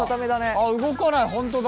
あっ動かない本当だ。